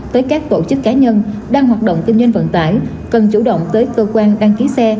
tới các tổ chức cá nhân đang hoạt động kinh doanh vận tải cần chủ động tới cơ quan đăng ký xe